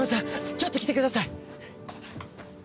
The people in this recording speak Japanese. ちょっと来てください